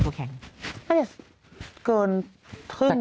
ก็เกิน๑๒๒๓โมง